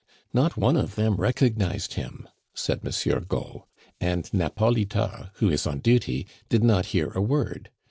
"Not one of them recognized him," said Monsieur Gault, "and Napolitas, who is on duty, did not hear a word.